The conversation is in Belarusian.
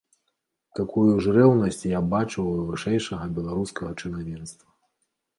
Такую ж рэўнасць я бачыў у вышэйшага беларускага чынавенства.